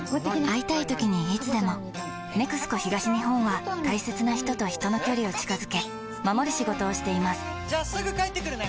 会いたいときにいつでも「ＮＥＸＣＯ東日本」は大切な人と人の距離を近づけ守る仕事をしていますじゃあすぐ帰ってくるね！